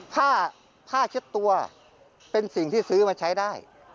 ผ้าผ้าเช็ดตัวเป็นสิ่งที่ซื้อมาใช้ได้